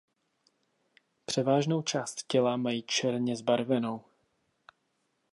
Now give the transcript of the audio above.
Převážnou část těla mají černě zbarvenou.